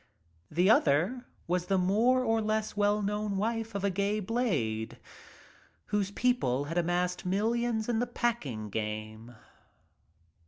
The other was the more or less well known wife of a gay blade whose people had amassed millions in the packing game.